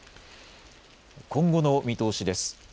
今後の見通しです。